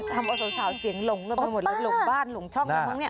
ทำว่าสาวเสียงหลงกันไปหมดแล้วหลงบ้านหลงช่องอะไรบ้างเนี่ย